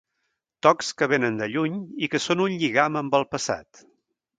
Tocs que venen de lluny i que són un lligam amb el passat.